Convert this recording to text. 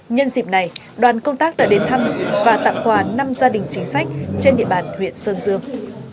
nhân dịp này đoàn công tác đã đến thăm và tặng quà năm gia đình chính sách trên địa bàn huyện sơn dương